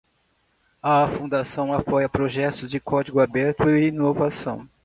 A fundação apoia projetos de código aberto e inovação.